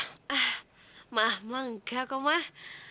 ah mah enggak kok mah